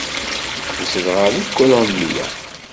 Zedɣeɣ deg Kulumbya.